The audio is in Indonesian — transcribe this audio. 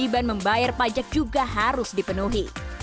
kewajiban membayar pajak juga harus dipenuhi